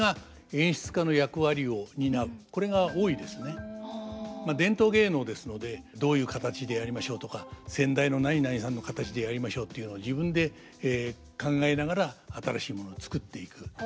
現代演劇と違ってまあ伝統芸能ですのでどういう形でやりましょうとか先代の何々さんの形でやりましょうっていうのは自分で考えながら新しいものを作っていく。